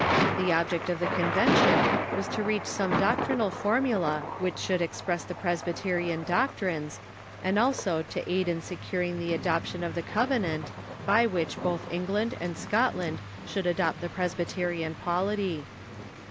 The ob ject of the convention was to reach some doctrinal formula which should express the Presbyterian doctrines, and also to aid in securing the adoption of the Covenant, by which both England and Scotland should adopt the Presbyterian polity.